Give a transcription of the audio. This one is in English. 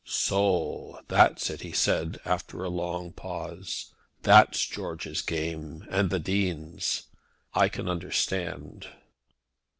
"So that's it," he said, after a long pause. "That's George's game, and the Dean's; I can understand."